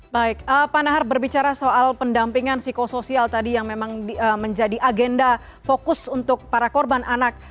baik pak nahar berbicara soal pendampingan psikosoial tadi yang memang menjadi agenda fokus untuk para korban anak